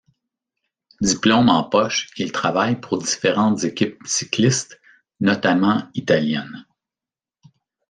Diplôme en poche, il travaille pour différentes équipes cyclistes, notamment italiennes.